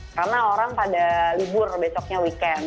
karena orang pada libur besoknya weekend